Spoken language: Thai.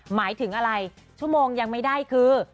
หมายถึงอะไรชั่วโมงยังไม่ได้คือ